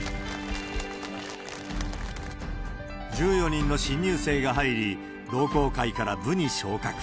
１４人の新入生が入り、同好会から部に昇格。